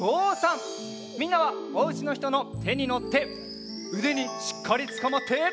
みんなはおうちのひとのてにのってうでにしっかりつかまって。